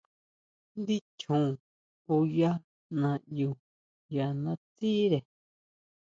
Ndí chjon oyá naʼyu ya natsire.